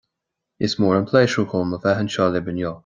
Is mór an pléisiúir dom a bheith anseo libh inniu